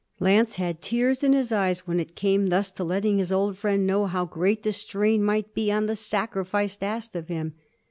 Lance had tears in his eyes when it came thus to letting his old friend know how great the strain might be on the 'sacrifice' asked of him.